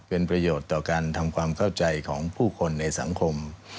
เป็นประโยชน์ต่อการทำความเข้าใจของผู้คนในสังคม